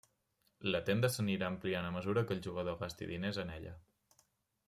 La tenda s’anirà ampliant a mesura que el jugador gasti diners en ella.